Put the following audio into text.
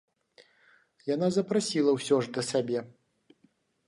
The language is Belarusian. Яна запрасіла ўсе ж да сябе.